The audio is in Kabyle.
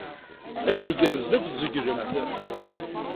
Ayen igerrzen akk tzeglemt-t.